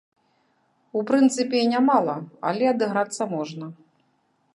У прынцыпе і нямала, але адыграцца можна.